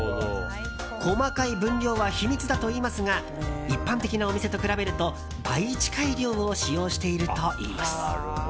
細かい分量は秘密だといいますが一般的なお店と比べると倍近い量を使用しているといいます。